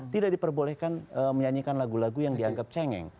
tidak diperbolehkan menyanyikan lagu lagu yang dianggap cengeng